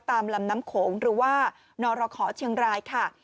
ตามลำน้ำโขงหรือว่านรขอเชียงรายค่ะ